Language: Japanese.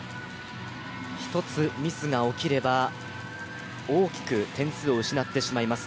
一つミスが起きれば大きく点数を失ってしまいます。